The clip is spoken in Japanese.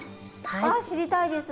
あ知りたいです。